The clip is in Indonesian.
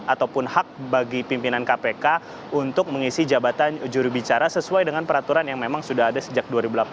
ataupun hak bagi pimpinan kpk untuk mengisi jabatan jurubicara sesuai dengan peraturan yang memang sudah ada sejak dua ribu delapan belas